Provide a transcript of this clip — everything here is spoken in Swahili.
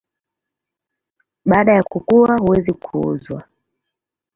Baada ya kukua huweza kuuzwa.